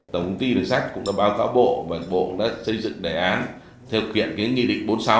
tổng công ty đường sắt cũng đã báo cáo bộ và bộ đã xây dựng đề án theo kiện cái nghị định bốn mươi sáu